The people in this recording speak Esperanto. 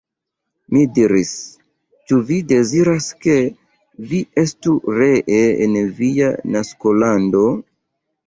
Mi diris, Ĉu vi deziras, ke vi estu ree en via naskolando?